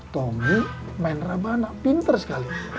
tommy main rabana pinter sekali